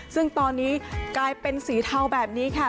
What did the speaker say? ซึ่งตอนนี้กลายเป็นสีเทาแบบนี้ค่ะ